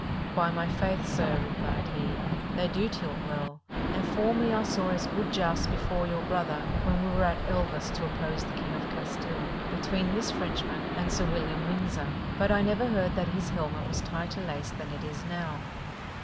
"By my faith, sir," replied he, "they do tilt well; and formerly I saw as good jousts before your brother, when we were at Elvas to oppose the King of Castile, between this Frenchman and Sir William Windsor; but I never heard that his helmet was tighter laced than it is now."